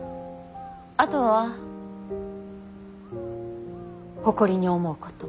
あとは誇りに思うこと。